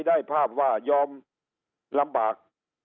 ได้ภาพว่ายอมลำบาก